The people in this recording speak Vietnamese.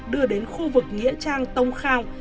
đưa đến khu vực nghĩa trang tông khao